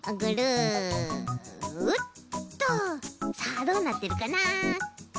さあどうなってるかな？